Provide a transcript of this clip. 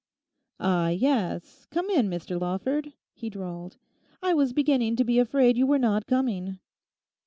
'Ah, yes, come in, Mr Lawford,' he drawled; 'I was beginning to be afraid you were not coming.